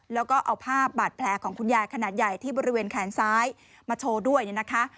แล้วก็เอาภาพบาดแผลของคุณยายขนาดใหญ่ที่บริเวณแขนซ้ายมาโชว์ด้วยเนี่ยนะคะ